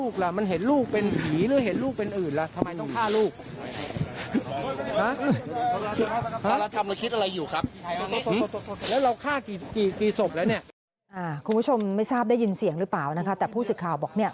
คุณผู้ชมไม่ทราบได้ยินเสียงหรือเปล่านะคะแต่ผู้สื่อข่าวบอกเนี่ย